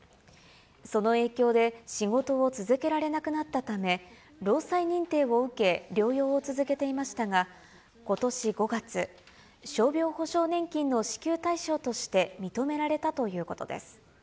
その影響で仕事を続けられなくなったため、労災認定を受け、療養を続けていましたが、ことし５月、傷病補償年金の支給対象として認められたということです。